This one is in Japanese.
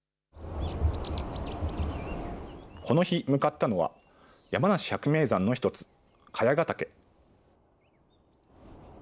この日向かったのは、山梨百名山の１つ、茅ヶ岳。